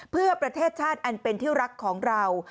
เพื่อประเทศชาติอันเป็นที่รักของเรา